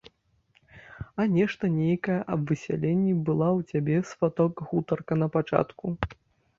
А нешта нейкае аб высяленні была ў цябе, сваток, гутарка напачатку.